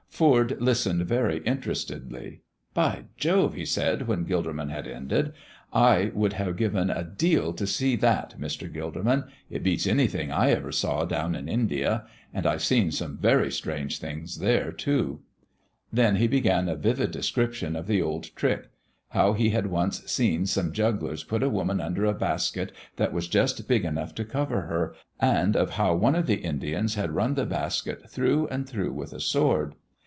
Foord listened very interestedly. "By Jove!" he said, when Gilderman had ended, "I would have given a deal to see that, Mr. Gilderman. It beats anything I ever saw down in India, and I've seen some very strange things there, too." Then he began a vivid description of the old trick: how he had once seen some jugglers put a woman under a basket that was just big enough to cover her, and of how one of the Indians had run the basket through and through with a sword.